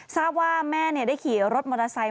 ทราบว่าแม่ได้ขี่รถมอเตอร์ไซค